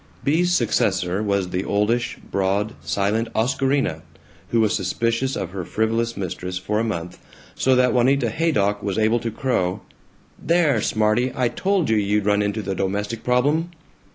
Bea's successor was the oldish, broad, silent Oscarina, who was suspicious of her frivolous mistress for a month, so that Juanita Haydock was able to crow, "There, smarty, I told you you'd run into the Domestic Problem!"